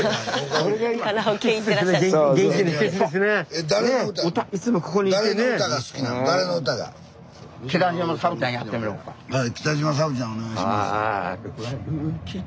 え誰の歌はい北島サブちゃんお願いします。